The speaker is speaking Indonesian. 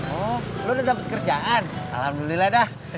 oh lo udah dapat kerjaan alhamdulillah dah